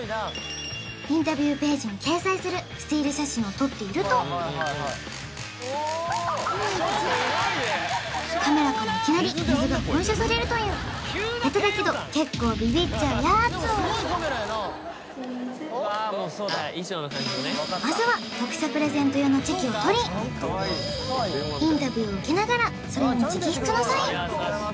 インタビューページに掲載するスチール写真を撮っているとカメラからいきなり水が噴射されるというベタだけど結構ビビッちゃうやつまずは読者プレゼント用のチェキを撮りインタビューを受けながらそれに直筆のサイン